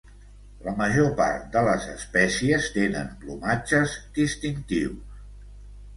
La major part de les espècies tenen plomatges distintius.